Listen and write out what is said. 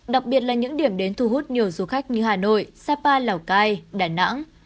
đặc biệt là những điểm đến thu hút nhiều du khách như hà nội sapa lào cai đà nẵng